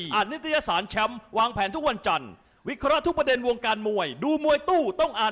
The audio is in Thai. กลับมาดูกันครับหาความสุขของมัน